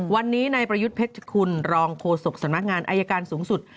วันนี้นายประยุทธ์เพชรคุณรองโฆษกสำนักงานอายการสูงสุด